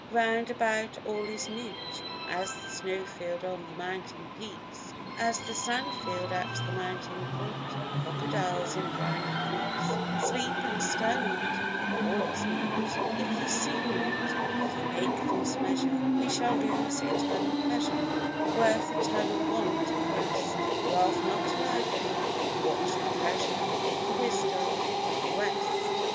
Round about all is mute, As the snowfield on the mountain peaks, As the sandfield at the mountain foot. Crocodiles in briny creeks Sleep and stir not: all is mute. If ye sing not, if ye make false measure, We shall lose eternal pleasure, Worth eternal want of rest. Laugh not loudly: watch the treasure Of the wisdom of the West.